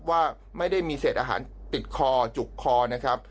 ว่าไม่ได้มีเศษอาหารติดคอจุกคอนะครับ